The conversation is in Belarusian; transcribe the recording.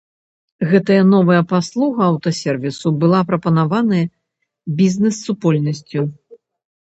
Гэтая новая паслуга аўтасервісу была прапанаваная бізнэс-супольнасцю.